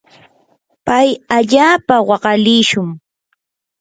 pay allaapa waqalishun.